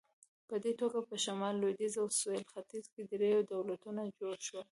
په دې توګه په شمال، لوېدیځ او سویل ختیځ کې درې دولتونه جوړ شول.